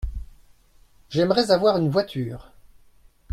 J’aimerais avoir une voiture.